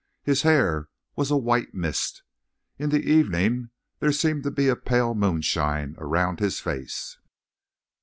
His hair was a white mist. In the evening there seemed to be a pale moonshine around his face.